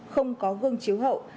không có gương chiếu hậu